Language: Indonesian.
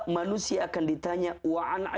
manusia akan ditanya untuk apa